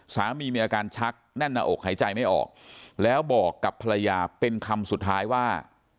สามีมีอาการชักแน่นหน้าอกหายใจไม่ออกแล้วบอกกับภรรยาเป็นคำสุดท้ายว่า